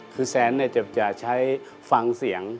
คือแซนเนี่ยจะใช้ฟังเสียง